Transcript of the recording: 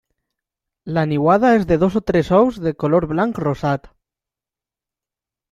La niuada és de dos o tres ous de color blanc rosat.